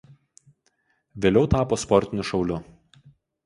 Vėliau tapo sportiniu šauliu.